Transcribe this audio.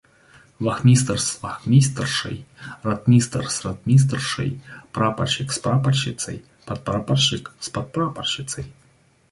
Вахмистр с вахмистршей, ротмистр с ротмистршей, прапорщик с прапорщицей, подпрапорщик с подпрапорщицей.